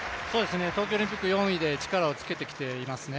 東京オリンピック４位で力をつけてきていますね。